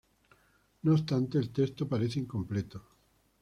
No obstante, el texto parece incompleto.